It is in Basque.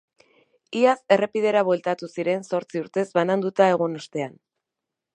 Iaz errepidera bueltatu ziren zortzi urtez bananduta egon ostean.